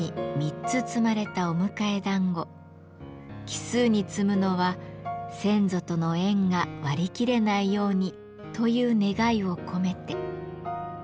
奇数に積むのは「先祖との縁が割り切れないように」という願いを込めて。